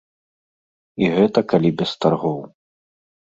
І гэта калі без таргоў.